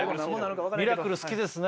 ミラクル好きですね